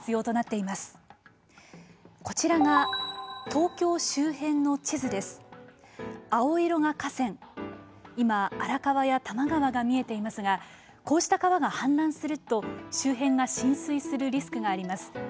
いま、荒川や多摩川が見えていますがこうした川が氾濫すると周辺が浸水するリスクがあります。